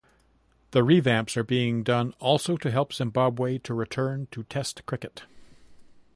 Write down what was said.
The revamps are being done also to help Zimbabwe to return to Test cricket.